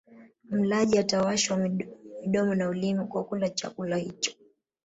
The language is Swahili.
Mlaji atawashwa midomo na ulimi kwa kula chakula hicho